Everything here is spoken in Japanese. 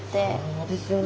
そうですよね。